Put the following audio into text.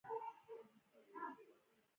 په دې سیمه کې لومړنی ښار چې اباد شو اوسنی عراق و.